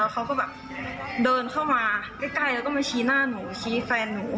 เขาก็แบบเดินเข้ามาใกล้แล้วก็มาชี้หน้าหนูชี้แฟนหนู